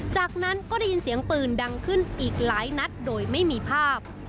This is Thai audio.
จากนั้นก็ได้ยินเสียงปืนดังขึ้นอีกหลายนัดโดยไม่มีภาพ